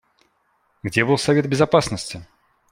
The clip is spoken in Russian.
Где был Совет Безопасности?